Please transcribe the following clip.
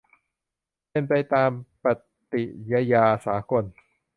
เป็นไปตามปฏิญญาสากล